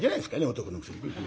男のくせに。